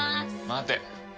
待て。